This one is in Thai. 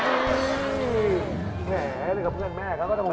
แหม้วเห็นกับเพื่อนแม่เขาก็ต้องห่วง